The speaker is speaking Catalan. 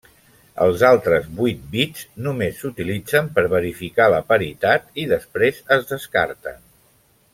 Els altres vuit bits només s'utilitzen per verificar la paritat i després es descarten.